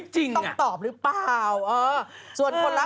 จริงเหรอ